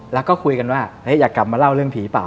แล้วก็คุยกันว่าอยากกลับมาเล่าเรื่องผีเปล